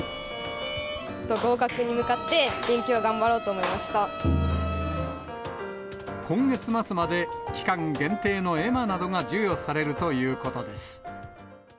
合格に向かって、今月末まで期間限定の絵馬などが授与されるということです。